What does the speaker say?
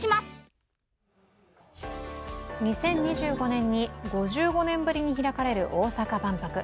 ２０２５年に５５年ぶりに開かれる大阪万博。